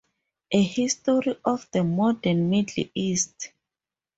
A History of the Modern Middle East.